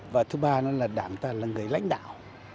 và thứ ba nữa là đảng ta là người lãnh đạo